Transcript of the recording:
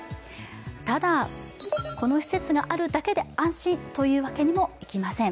ただこの施設があるだけで安心というわけにもいきません。